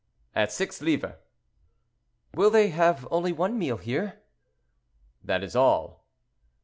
"At six livres." "Will they have only one meal here?" "That is all."